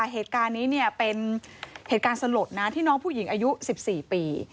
เหตุการณ์นี้เป็นเหตุการณ์สลดนะที่น้องผู้หญิงอายุ๑๔ปี